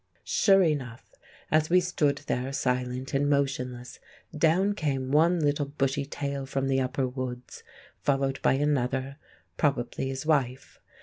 Sure enough, as we stood there silent and motionless, down came one little bushy tail from the upper woods, followed by another, probably his wife.